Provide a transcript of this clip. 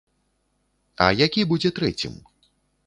А які будзе трэцім?